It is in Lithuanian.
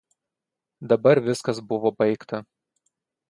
Dabar viskas buvo baigta.